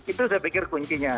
itu saya pikir kuncinya